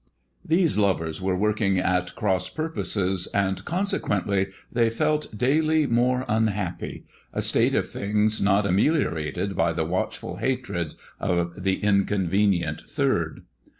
These lovers were working at cross purposes, and con sequently they felt daily more unhappy, a state of things not ameliorated by the watchful hatred of the inconvenient third.